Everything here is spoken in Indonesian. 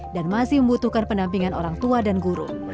dan masih membutuhkan penampingan orang tua dan guru